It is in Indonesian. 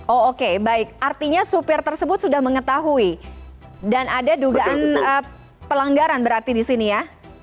oh oke baik artinya supir tersebut sudah mengetahui dan ada dugaan pelanggaran berarti di sini ya